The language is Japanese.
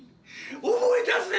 思い出せ！